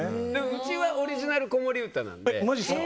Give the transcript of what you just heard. うちはオリジナル子守歌なので。